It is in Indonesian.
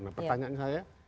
nah pertanyaan saya